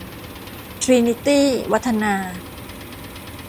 ทรีนีตี้ วัฒนา